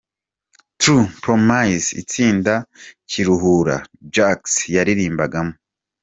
True Promises itsinda Kiruhura Jacques yaririmbagamo.